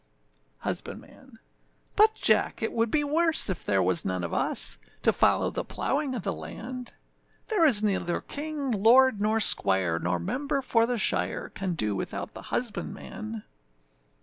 HUSBANDMAN. But, Jack! it would be worse if there was none of us To follow the plowing of the land; There is neither king, lord, nor squire, nor member for the shire, Can do without the husbandman.